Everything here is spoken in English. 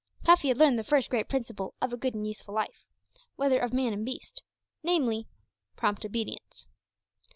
Cuffy had learned the first great principle of a good and useful life whether of man or beast namely, prompt obedience.